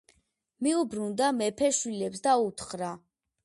მიუბრუნდა მეფე შვილებს და უთხრა: